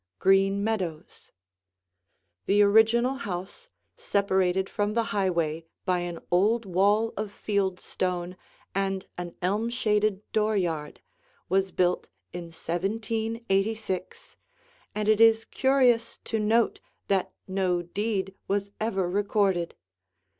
[Illustration: GREEN MEADOWS FRONT VIEW] The original house, separated from the highway by an old wall of field stone and an elm shaded dooryard, was built in 1786, and it is curious to note that no deed was ever recorded.